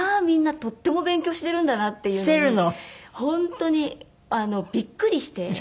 みんなとっても勉強してるんだなっていうのに本当にびっくりして。